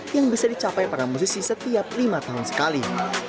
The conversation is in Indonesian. yang bisa dicapai para musisi setiap lima tahun sekali